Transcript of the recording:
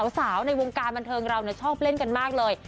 สาวในวงการบันเทิงเราชอบเล่นกันมากเลย